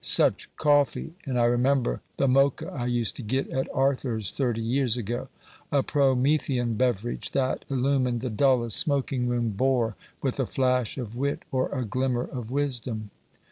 Such coffee! and I remember the mocha I used to get at Arthur's thirty years ago, a Promethean beverage, that illumined the dullest smoking room bore with a flash of wit or a glimmer of wisdom.